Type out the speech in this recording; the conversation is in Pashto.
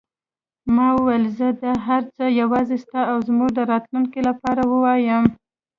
ما وویل: زه دا هر څه یوازې ستا او زموږ د راتلونکې لپاره وایم.